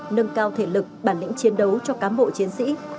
nâng cao thể lực bản lĩnh chiến đấu cho cám bộ chiến sĩ